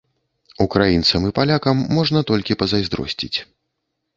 Украінцам і палякам можна толькі пазайздросціць.